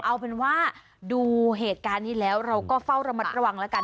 เอาเป็นว่าดูเหตุการณ์นี้แล้วเราก็เฝ้าระมัดระวังแล้วกัน